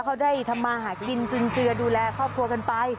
เขาได้ทำมาหากินจุนเจือดูแลครอบครัวกันไป